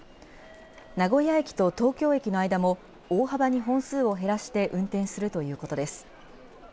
名古屋駅と東京駅の間も、大幅に本数を減らして運転するということです。